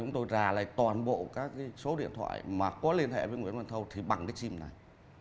chúng tôi trả lại toàn bộ các số điện thoại mà có liên hệ với nguyễn văn thâu thì bằng cái sim này